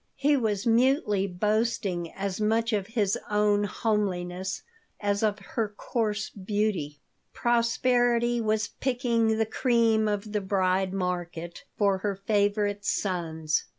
He was mutely boasting as much of his own homeliness as of her coarse beauty Prosperity was picking the cream of the "bride market" for her favorite sons.